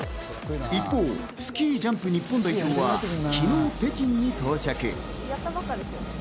一方、スキージャンプ日本代表は昨日、北京に到着。